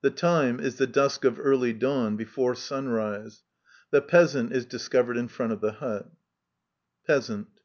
The time is the dusk of early dawn^ brfore sunrise. The Peasant is discovered in front of the hut. Peasant.